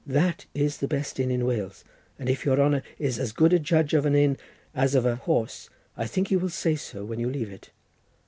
That is the best inn in Wales, and if your honour is as good a judge of an inn as of a horse, I think you will say so when you leave it.